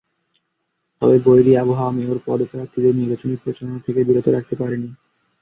তবে বৈরী আবহাওয়া মেয়র পদপ্রার্থীদের নির্বাচনী প্রচারণা থেকে বিরত রাখতে পারেনি।